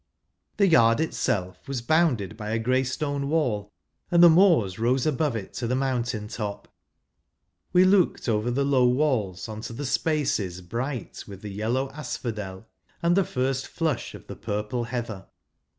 The yard itself was bounded by a grey stone wall, and the moor's rose above it to the mountain top ; we looked over the low walls on to the spaces bright with the yellow asphodel, and the first flush of the purple heather.